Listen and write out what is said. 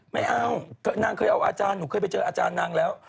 ไม่เอานางเคยเอาอาจารย์หนูเคยไปเจออาจารย์นางแล้ว